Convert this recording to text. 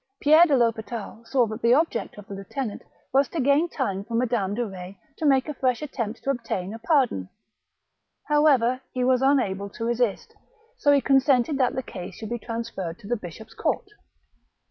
Pierre de THospital saw that the object of the lieutenant was to gain time for Mme. de Betz to make a fresh attempt to obtain a pardon; however he was unable to resist, so he con sented that the case should be transferred to the bishop's court.